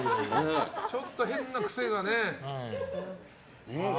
ちょっと変な癖がね。